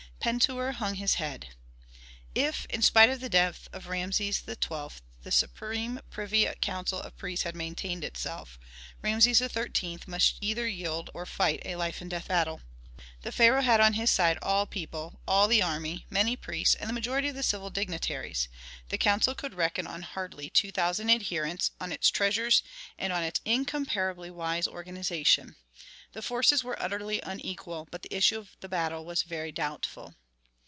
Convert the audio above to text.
Pentuer hung his head. If in spite of the death of Rameses XII. the supreme privy council of priests had maintained itself, Rameses XIII. must either yield or fight a life and death battle. The pharaoh had on his side all the people, all the army, many priests, and the majority of the civil dignitaries. The council could reckon on hardly two thousand adherents, on its treasures and on its incomparably wise organization. The forces were utterly unequal, but the issue of the battle was very doubtful.